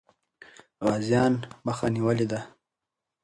غازيان مخه نیولې وه.